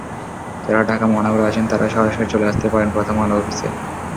যাঁরা ঢাকা মহানগরে আছেন, তাঁরা সরাসরি চলে আসতে পারেন প্রথম আলো অফিসে।